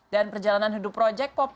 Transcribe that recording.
dan perjalanan hidup project pop